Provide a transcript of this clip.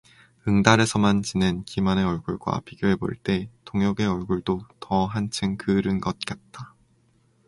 응달에서만 지낸 기만의 얼굴과 비교해 볼 때 동혁의 얼굴도 더한층 그을은 것 같다.